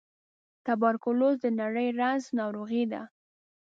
توبرکلوز د نري رنځ ناروغۍ ده.